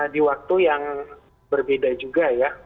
di waktu yang berbeda juga ya